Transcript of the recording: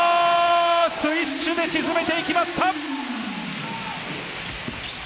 スウィッシュで沈めていきました！